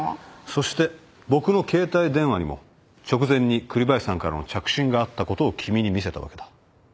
そして僕の携帯電話にも直前に栗林さんからの着信があったことを君に見せたわけだ。